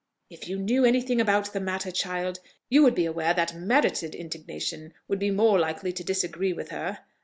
"If you knew any thing about the matter, child, you would be aware that merited indignation would be more likely to disagree with her.